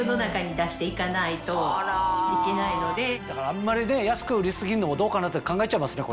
あんまり安く売り過ぎんのもどうかなって考えちゃいますね